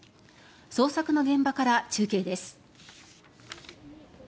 捜索の現場から中継です。